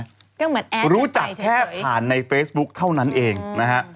ก็เหมือนแอร์รู้จักแค่ผ่านในเฟซบุ๊คเท่านั้นเองนะฮะ